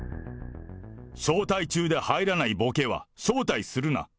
招待中で入らないボケは招待するな。